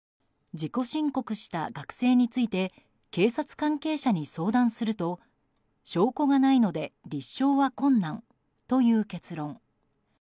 自己申告した学生について警察関係者に相談すると証拠がないので立証は困難という結論。